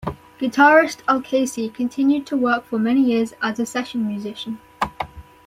Guitarist Al Casey continued to work for many years as a session musician.